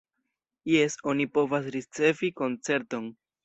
Jes, oni povas ricevi koncerton.